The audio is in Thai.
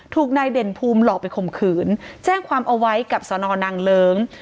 ถูกนายเด่นภูมิหลอกไปข่มขืนแจ้งความเอาไว้กับสนนางเลิ้ง